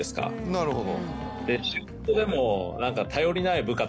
なるほど。